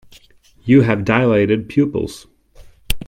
You have dilated pupils.